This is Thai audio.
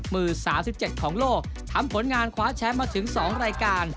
มือ๓๗ของโลกทำผลงานคว้าแชมป์มาถึง๒รายการ